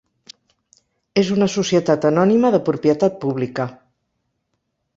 És una societat anònima de propietat pública.